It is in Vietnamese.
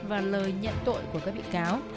và lời nhận tội của các bị cáo